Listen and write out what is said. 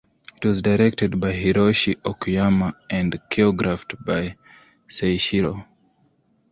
It was directed by Hiroshi Okuyama and choreographed by Seishiro.